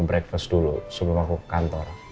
breakfast dulu sebelum aku ke kantor